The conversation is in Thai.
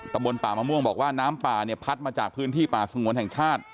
บนป่ามะม่วงบอกว่าน้ำป่าเนี่ยพัดมาจากพื้นที่ป่าสงวนแห่งชาติ